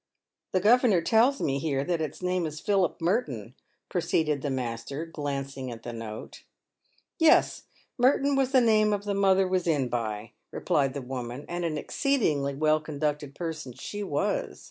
" The governor tells me here that its name is Philip Merton," proceeded the master, glancing at the note. "Yes; Merton was the name the mother was in by," replied the woman; " and an exceedingly well conducted person she was."